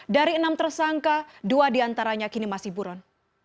dari enam tersangka dua di antaranya kini masih buron